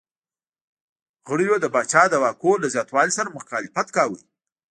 غړو یې د پاچا د واکونو له زیاتوالي سره مخالفت کاوه.